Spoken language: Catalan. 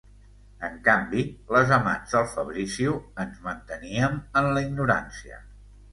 En canvi, les amants del Fabrizio ens manteníem en la ignorància.